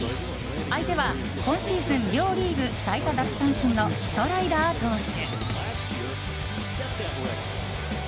相手は、今シーズン両リーグ最多奪三振のストライダー投手。